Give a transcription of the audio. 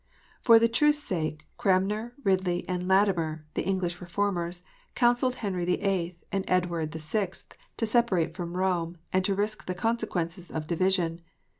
For the truth s sake, Cranmer, Bidley, and Latimer, the English Reformers, counselled Henry VIII. and Edward VI. to separate from Rome, and to risk the consequences of division.